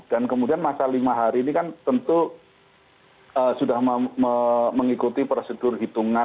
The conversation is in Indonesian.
dan kemudian masa lima hari ini kan tentu sudah mengikuti prosedur hitungan